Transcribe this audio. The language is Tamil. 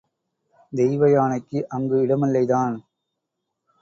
தெய்வயானைக்கு அங்கு இடமில்லைதான்.